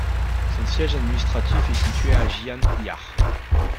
Son siège administratif est situé à Gianyar.